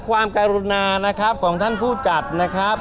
ความกรุณานะครับของท่านผู้จัดนะครับ